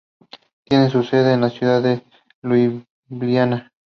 Tiene su sede en la ciudad de Liubliana.